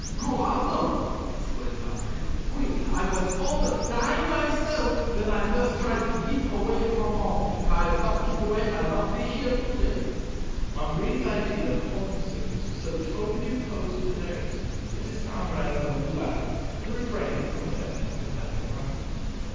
"Go onder!" exclaimed Henri; "oui, I vas all but die myself ven I fust try to git away from hom'. If I have not git away, I not be here to day." Henri's idea of home sickness was so totally opposed to theirs that his comrades only laughed, and refrained from attempting to set him right.